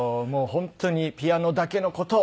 もう本当にピアノだけの事